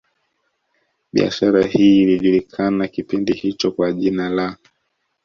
Biashara hii ilijulikana kipindi hicho kwa jina la